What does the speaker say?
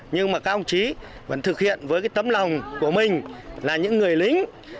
nhưng mà các ông chí vẫn thực hiện với cái tấm lòng của mình là những người lính